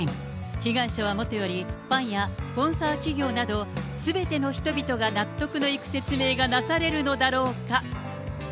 被害者はもとより、ファンやスポンサー企業など、すべての人々が納得のいく説明がなされるのだろうか。